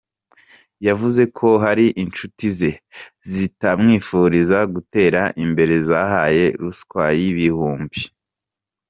yavuze ko hari inshuti ze zitamwifuriza gutera imbere zahaye ruswa yibihumbi.